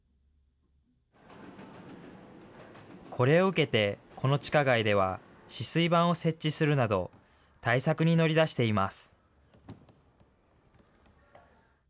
これを受けて、この地下街では、止水板を設置するなど、対策に乗り出しています。